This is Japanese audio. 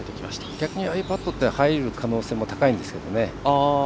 逆にああいうパットって入る可能性も高いんですけどね。